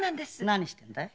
何してんだい？